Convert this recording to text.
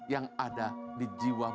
yang ada di jiwa kami